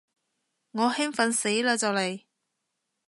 我興奮死嘞就嚟